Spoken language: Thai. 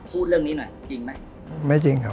พูดเรื่องนี้หน่อยจริงไหม